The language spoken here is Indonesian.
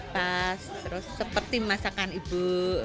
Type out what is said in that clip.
pas terus seperti masakan ibu